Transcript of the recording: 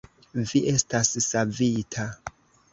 Vi estas savita!